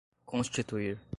constituir